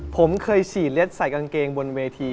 ผมเคยฉีดเล็ดใส่กางเกงบนเวที